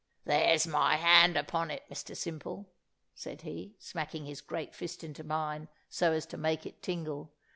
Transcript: "There's my hand upon it, Mr Simple," said he, smacking his great fist into mine so as to make it tingle.